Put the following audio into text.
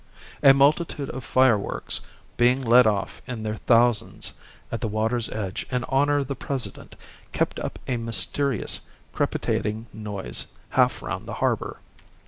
A multitude of fireworks being let off in their thousands at the water's edge in honour of the President kept up a mysterious crepitating noise half round the harbour.